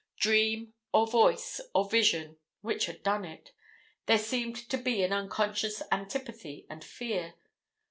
Dream, or voice, or vision which had done it? There seemed to be an unconscious antipathy and fear.